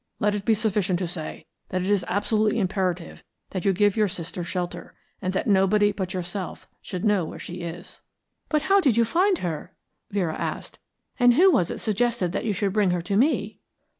Let it be sufficient to say that it is absolutely imperative that you give your sister shelter, and that nobody but yourself should know where she is." "But how did you find her?" Vera asked. "And who was it suggested that you should bring her to me?"